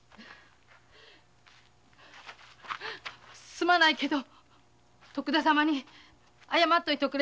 すまないけど徳田様に謝っておいておくれ。